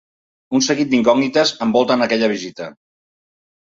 Un seguit d'incògnites envolten aquella visita.